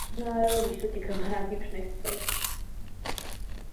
Podobný názor zastával již Jacob Grimm.